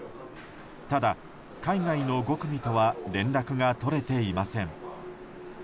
ただ、海外の５組とは連絡が取れていません。